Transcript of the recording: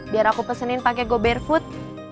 biar aku pesenin pake go barefoot